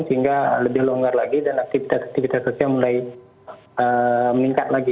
sehingga lebih longgar lagi dan aktivitas aktivitas sosial mulai meningkat lagi